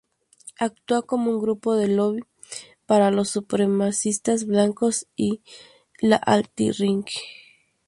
Actúa como un grupo de lobby para los supremacistas blancos y la alt-right.